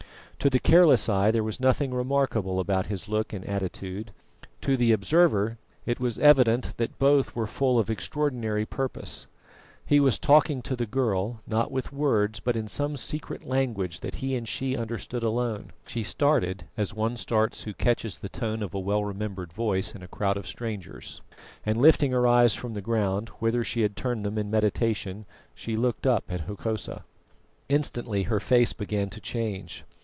To the careless eye there was nothing remarkable about his look and attitude; to the observer it was evident that both were full of extraordinary purpose. He was talking to the girl, not with words, but in some secret language that he and she understood alone. She started as one starts who catches the tone of a well remembered voice in a crowd of strangers, and lifting her eyes from the ground, whither she had turned them in meditation, she looked up at Hokosa. Instantly her face began to change.